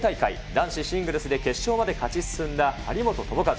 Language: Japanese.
男子シングルスで決勝まで勝ち進んだ張本智和。